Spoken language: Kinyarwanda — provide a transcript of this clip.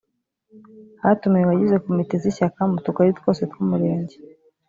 hatumiwe abagize komite z ishyaka mu tugari twose twumurenge